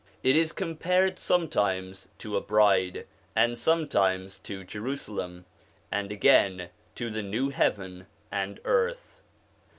It is compared sometimes to a bride, and sometimes to Jerusalem, and again to the new heaven and earth.